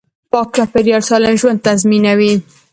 پاک چاپیریال سالم ژوند تضمینوي